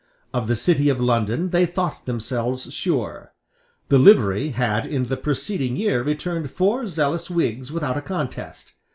Of the city of London they thought themselves sure. The Livery had in the preceding year returned four zealous Whigs without a contest.